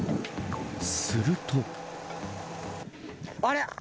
すると。